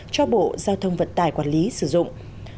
cho bộ giao thông vận tải quản lý sử dụng